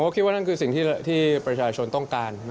คิดว่านั่นคือสิ่งที่ประชาชนต้องการ